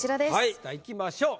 じゃあいきましょう。